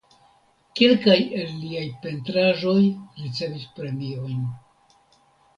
Kelkaj el liaj pentraĵoj ricevis premiojn.